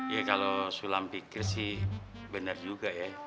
iya kalau sulam pikir sih bener juga ya